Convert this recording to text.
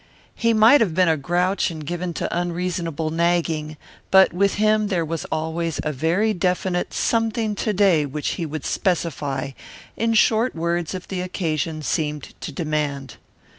He might have been a grouch and given to unreasonable nagging, but with him there was always a very definite something to day which he would specify, in short words if the occasion seemed to demand.